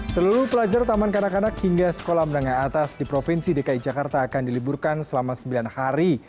seluruh pelajar taman kanak kanak hingga sekolah menengah atas di provinsi dki jakarta akan diliburkan selama sembilan hari